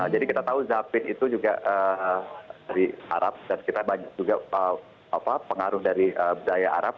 jadi kita tahu zabin itu juga dari arab dan kita banyak juga pengaruh dari budaya arab